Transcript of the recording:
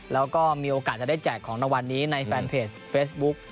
แล้วก็มีโอกาสจะได้แจกของรางวัลนี้ในแฟนเพจเฟซบุ๊ก